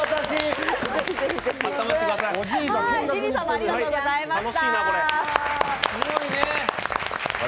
ありがとうございます！